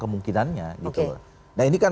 kemungkinannya nah ini kan